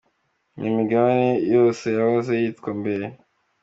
n’imigabane yose ya yahoze yitwa mbere.